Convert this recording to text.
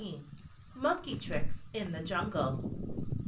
MONKEY TRICKS IN THE JUNGLE.